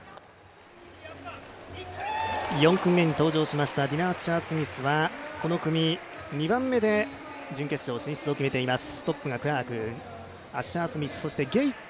４組目に登場しましたディナ・アッシャー・スミスはこの組、２番目で準決勝進出を決めています。